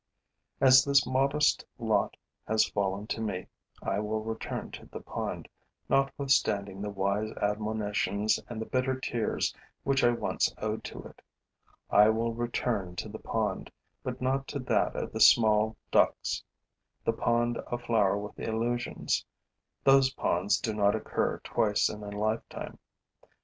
As this modest lot has fallen to me, I will return to the pond, notwithstanding the wise admonitions and the bitter tears which I once owed to it. I will return to the pond, but not to that of the small ducks, the pond aflower with illusions: those ponds do not occur twice in a lifetime.